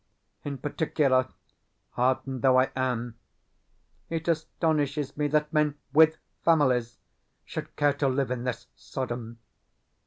In particular, hardened though I am, it astonishes me that men WITH FAMILIES should care to live in this Sodom.